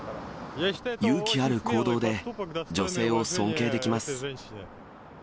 勇気ある行動で、女性を尊敬できます。